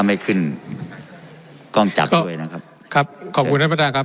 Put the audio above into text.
ไม่ขึ้นกล้องจักรด้วยนะครับครับขอบคุณท่านประธานครับ